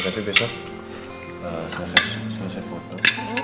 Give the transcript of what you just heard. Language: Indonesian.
tapi besok selesai foto